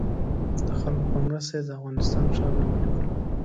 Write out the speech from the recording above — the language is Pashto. د خلکو په مرسته یې د افغانستان ښارونه ونیول.